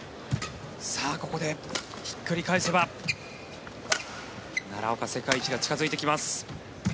ここでひっくり返せば奈良岡、世界一が近付いてきます。